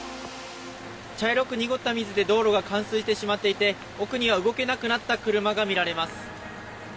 茶色く濁った水で、道路が冠水してしまっていて奥には動けなくなった車が見られます。